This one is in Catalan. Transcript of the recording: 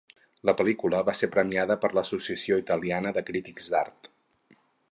La pel·lícula va ser premiada per l'Associació Italiana de Crítics d'Art.